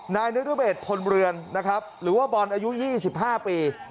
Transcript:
นายนรเบศพลเรือนนะครับหรือว่าบอลอายุ๒๕ปี